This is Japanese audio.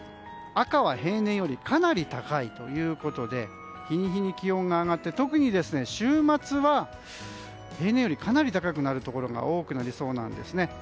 赤は平年よりかなり高いということで日に日に気温が上がって特に週末は平年よりかなり高くなるところが多くなりそうなんですね。